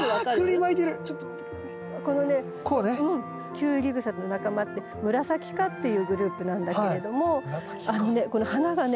キュウリグサの仲間ってムラサキ科っていうグループなんだけれどもあのねこの花がね